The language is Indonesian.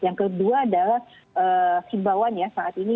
yang kedua adalah simbawanya saat ini